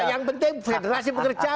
yang penting federasi bekerja